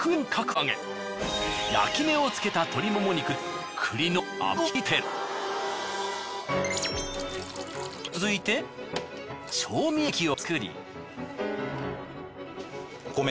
焼き目を付けた続いて調味液を作り。